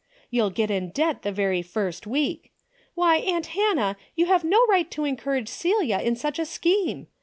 You'll get in debt the very first week. Why, aunt Hannah, you have no right to encourage Celia in such a scheme.